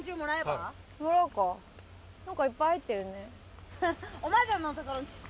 なんかいっぱい入ってるね。